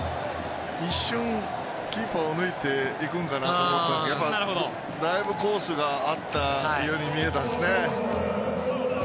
一瞬、キーパーを抜くのかなと思いましたけどだいぶコースがあったように見えたんですね。